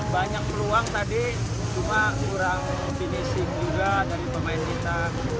banyak peluang tadi cuma kurang finishing juga dari pemain kita